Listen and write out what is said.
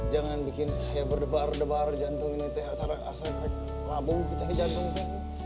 jangan bikin saya berdebar debar jantung ini teh asal asal labuh teh jantung teh